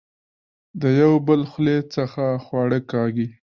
د يو بل خولې څخه خواړۀ کاږي